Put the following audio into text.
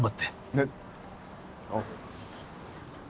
えっあっ。